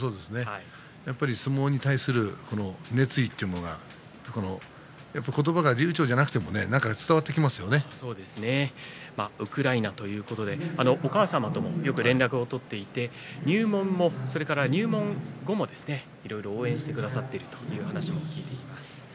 やっぱり相撲に対する熱意というものが言葉が流ちょうじゃなくてもウクライナということでお母さんともよく連絡を取っていて入門も、それから入門後もいろいろと応援してくださっているという話も聞いています。